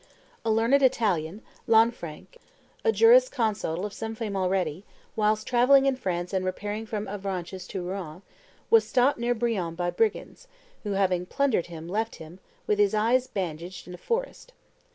A learned Italian, Lanfranc, a juris consult of some fame already, whilst travelling in France and repairing from Avranches to Rouen, was stopped near Brionne by brigands, who, having plundered him, left him, with his eyes bandaged, in a forest.